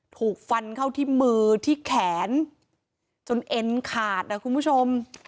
ถูกฟันเข้าที่มือที่แขนจนเอ็นขาดนะคุณผู้ชม